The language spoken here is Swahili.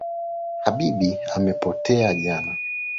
Habibi amepotea jana.